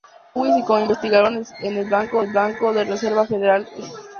Louis y como investigador en el Banco de la Reserva Federal de St.